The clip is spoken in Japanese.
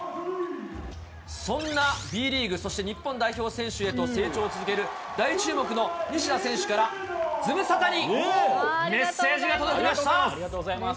そんなＢリーグ、そして日本代表選手へと成長を続ける大注目の西田選手からズムサありがとうございます。